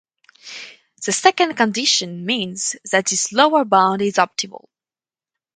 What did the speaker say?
The second condition means that this lower bound is optimal.